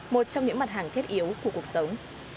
một trong những mặt hàng thiết yếu của cuộc sống